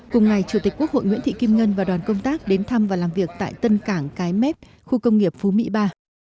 cùng ngày chủ tịch quốc hội nguyễn thị kim ngân và đoàn công tác đến thăm và làm việc tại tân cảng cái mép khu công nghiệp phú mỹ ba